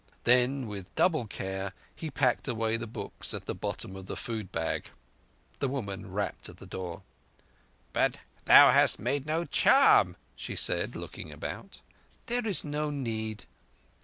Then with double care he packed away the books at the bottom of the food bag. The woman rapped at the door. "But thou hast made no charm," she said, looking about. "There is no need."